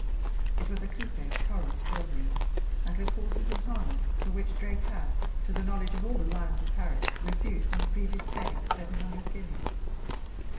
It was a coupé of Koller's building, and with horses and harness for which Drake had, to the knowledge of all the lions of Paris, refused on the previous day seven hundred guineas.